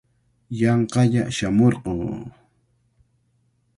Yanqalla shamurquu.